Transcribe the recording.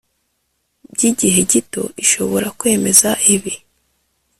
by igihe gito ishobora kwemeza ibi